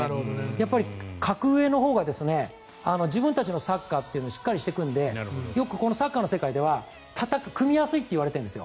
やっぱり格上のほうが自分たちのサッカーというのをしっかりしていくのでよくこのサッカーの世界では格上は組みやすいって言われているんですよ。